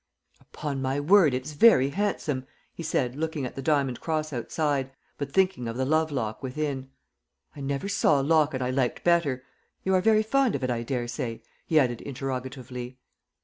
"Upon my word, it's very handsome," he said, looking at the diamond cross outside, but thinking of the love lock within. "I never saw a locket I liked better. You are very fond of it, I daresay?" he added interrogatively.